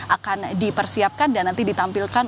akan dipersiapkan dan nanti ditampilkan